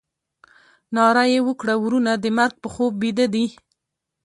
ناره یې وکړه ورونه د مرګ په خوب بیده دي.